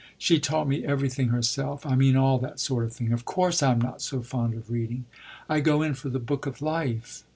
She taught me everything herself. I mean all that sort of thing. Of course I'm not so fond of reading; I go in for the book of life."